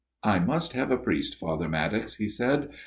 ' I must have a priest, Father Maddox,' he said.